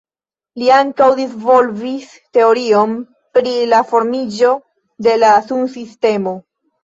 Li ankaŭ disvolvis teorion pri la formiĝo de la sunsistemo.